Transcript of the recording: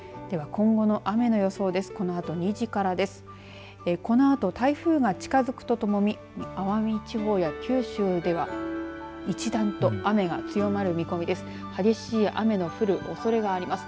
このあと台風が近づくとともに奄美地方や九州では一段と雨が強まる見込みです。